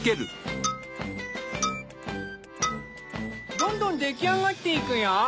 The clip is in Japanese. どんどん出来上がっていくよ！